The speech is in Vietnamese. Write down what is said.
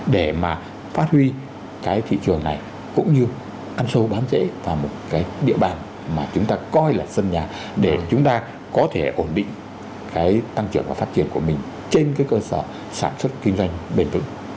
để mà phát huy cái thị trường này cũng như ăn sâu bám trễ vào một cái địa bàn mà chúng ta coi là sân nhà để chúng ta có thể ổn định cái tăng trưởng và phát triển của mình trên cái cơ sở sản xuất kinh doanh bền vững